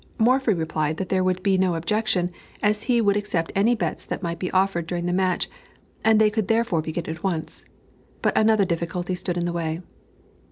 Morphy replied that that would be no objection, as he would accept any bets that might be offered during the match, and they could therefore begin at once. But another difficulty stood in the way.